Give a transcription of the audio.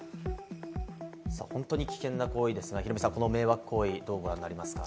本当に危険な行為、ヒロミさん、迷惑行為、どうご覧になりますか？